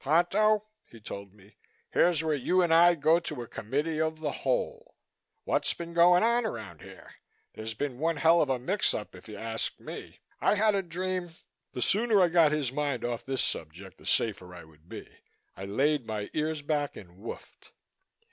"Ponto," he told me. "Here's where you and I go into a committee of the whole. What's been going on around here? There's been one hell of a mix up if you ask me. I had a dream " The sooner I got his mind off this subject the safer I would be. I laid my ears back and woofed.